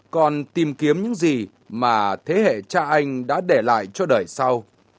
còn tìm kiếm những gì mà thế hệ cha anh đã để lại cho đời sau